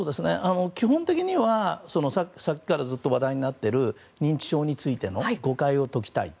基本的には、さっきからずっと話題になっている認知症についての誤解を解きたいと。